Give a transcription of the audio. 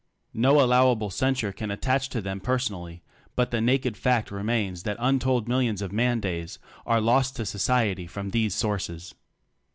No allowable censure can attach to them personally, but the naked fact remains that untold millions of man days are lost to society from these sources.